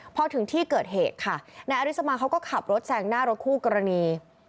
พอถึงที่เกิดเหตุค่ะนายอริสมาเขาก็ขับรถแซงหน้ารถคู่กรณี